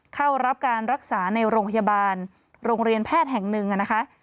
เข้ารับการรักษาในโรงพยาบาลโรงเรียนแพทย์แห่งหนึ่งนะคะ